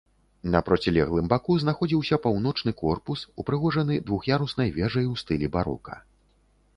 На процілеглым баку знаходзіўся паўночны корпус, упрыгожаны двух'яруснай вежай у стылі барока.